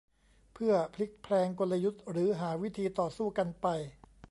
เพื่อพลิกแพลงกลยุทธ์ หรือหาวิธีต่อสู้กันไป